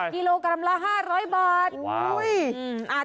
กิโลกรัมละ๕๐๐บาท